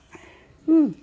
うん。